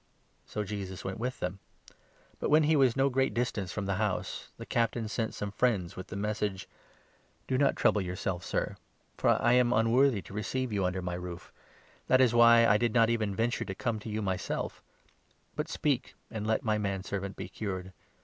So Jesus went with them. But, when he was no great distance 6 from the house, the Captain sent some friends with the message —" Do not trouble yourself, Sir ; for I am unworthy to receive you under my roof. That was why I did not even venture to 7 come to you myself; but speak, and let my manservant be cured.